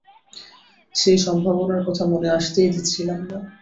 সেই সম্ভাবনার কথা মনে আসতেই দিচ্ছিলাম না।